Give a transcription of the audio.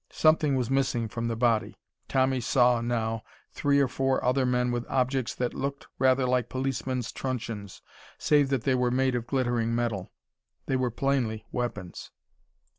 Something was missing from the body. Tommy saw, now, three or four other men with objects that looked rather like policemen's truncheons, save that they were made of glittering metal. They were plainly weapons.